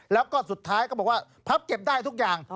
แล้วก็สุดท้ายก็บอกว่าพับเก็บได้ทุกอย่าง